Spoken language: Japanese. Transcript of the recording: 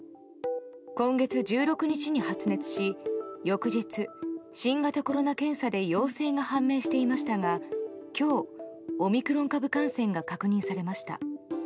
今月１６日に発熱し翌日、新型コロナ検査で陽性が判明していましたが今日、オミクロン株感染が確認されました。